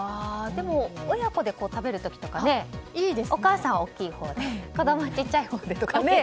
でも、親子で食べる時とかお母さんは大きいほうで子供は小さいほうでとかね。